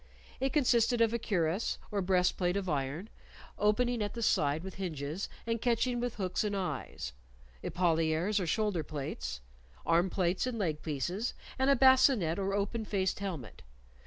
It consisted of a cuirass, or breastplate of iron, opening at the side with hinges, and catching with hooks and eyes; epauliers, or shoulder plates; arm plates and leg pieces; and a bascinet, or open faced helmet.